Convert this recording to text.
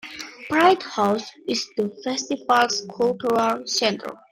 Pride House is the festival's cultural centre.